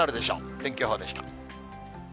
天気予報でした。